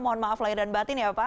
mohon maaf lahir dan batin ya pak